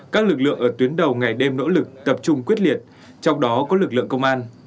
các lực lượng ở tuyến đầu ngày đêm nỗ lực tập trung quyết liệt trong đó có lực lượng công an